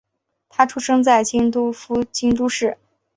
她出生在京都府京都市。